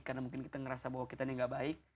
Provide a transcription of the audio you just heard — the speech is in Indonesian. karena mungkin kita ngerasa bahwa kita ini gak baik